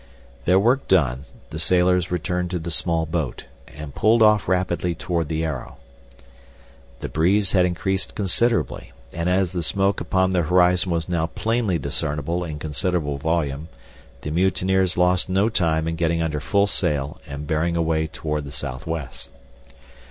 Their work done the sailors returned to the small boat, and pulled off rapidly toward the Arrow. The breeze had increased considerably, and as the smoke upon the horizon was now plainly discernible in considerable volume, the mutineers lost no time in getting under full sail and bearing away toward the southwest.